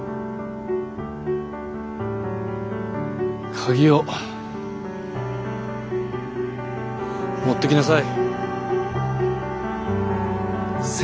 鍵を持ってきなさい。